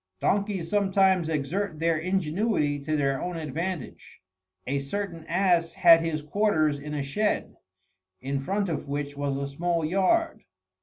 Donkeys sometimes exert their ingenuity to their own advantage. A certain ass had his quarters in a shed, in front of which was a small yard.